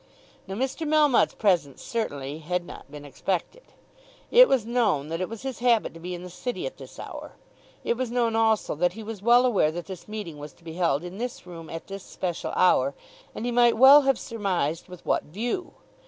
Now Mr. Melmotte's presence certainly had not been expected. It was known that it was his habit to be in the City at this hour. It was known also that he was well aware that this meeting was to be held in this room at this special hour, and he might well have surmised with what view.